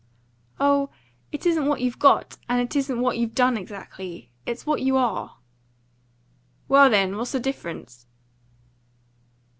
"Oh, it isn't what you've got, and it isn't what you've done exactly. It's what you are." "Well, then, what's the difference?"